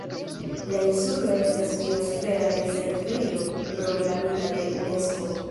La insulo estas Biosfera rezervejo proklamita de Unesko.